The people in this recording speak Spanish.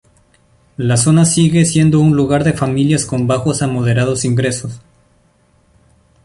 La zona sigue siendo un lugar de familias con bajos a moderados ingresos.